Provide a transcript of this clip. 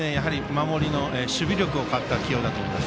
守備力を買った起用だと思います。